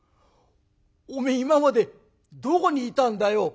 おめえ今までどこにいたんだよ？」。